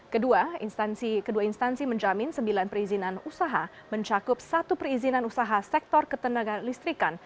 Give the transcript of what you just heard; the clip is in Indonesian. kedua instansi menjamin sembilan perizinan usaha mencakup satu perizinan usaha sektor ketenagaan listrikan